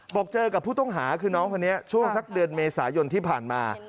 บอกเจอกับผู้ต้องหาคือน้องคนนี้ช่วงสักเดือนเมษายนที่ผ่านมา